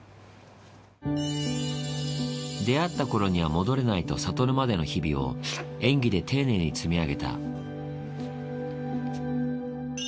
出会ったころには戻れないと悟るまでの日々を、演技で丁寧に積み上げた。